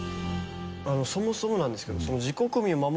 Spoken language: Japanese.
そもそもなんですけど。